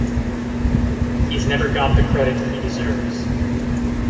He's never got the credit he deserves.